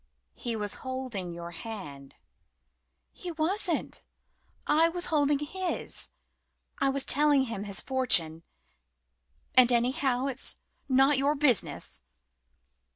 "He was holding your hand." "He wasn't I was holding his. I was telling him his fortune. And, anyhow, it's not your business."